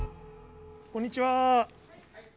こんにちは。